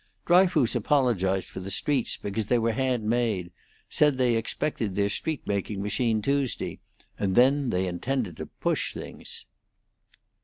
Dryfoos apologized for the streets because they were hand made; said they expected their street making machine Tuesday, and then they intended to push things."